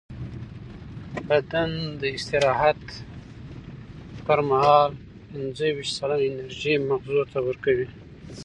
بدن د استراحت پر مهال پینځهویشت سلنه انرژي مغزو ته ورکوي.